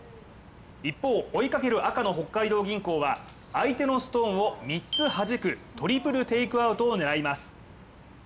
一方、追いかける赤の北海道銀行は相手のストーンを３つ弾くトリプルテイクアウトを狙います。